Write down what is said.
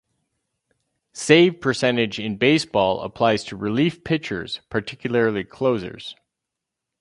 Save percentage in baseball applies to relief pitchers, particularly closers.